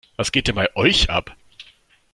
Was geht denn bei euch ab?